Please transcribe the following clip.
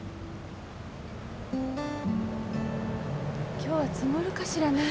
今日は積もるかしらねぇ。